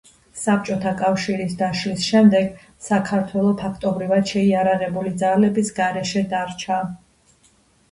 საბჭოთა კავშირის დაშლის შემდეგ საქართველო ფაქტობრივად შეიარაღებული ძალების გარეშე დარჩა.